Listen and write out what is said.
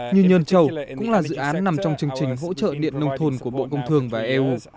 như nhơn châu cũng là dự án nằm trong chương trình hỗ trợ điện nông thôn của bộ công thương và eu